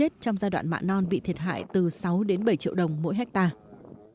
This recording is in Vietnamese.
trong giai đoạn mạ non bị thiệt hại từ sáu đến bảy triệu đồng mỗi hectare